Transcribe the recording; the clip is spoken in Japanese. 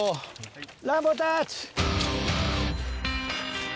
ランボータッチ！